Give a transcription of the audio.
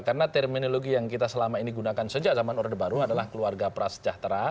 karena terminologi yang kita selama ini gunakan sejak zaman orde baru adalah keluarga prasejahtera